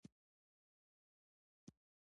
په افغانستان کې په پوره توګه چار مغز شتون لري.